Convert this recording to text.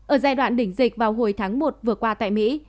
ở giai đoạn đỉnh dịch vào hồi tháng một vừa qua tại mỹ